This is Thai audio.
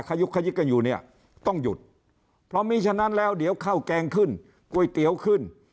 ยุกขยิกกันอยู่เนี่ยต้องหยุดเพราะมีฉะนั้นแล้วเดี๋ยวข้าวแกงขึ้นก๋วยเตี๋ยวขึ้น